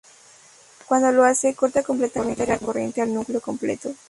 Cuando lo hace, corta completamente la corriente al núcleo completo.